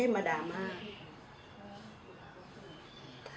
แล้วบอกว่าไม่รู้นะ